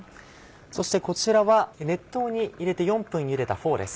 そしてこちらは熱湯に入れて４分ゆでたフォーです。